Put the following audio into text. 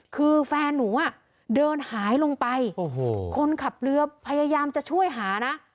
คือแฟนหนูอ่ะเดินหายลงไปโอ้โหคนขับเรือพยายามจะช่วยหานะ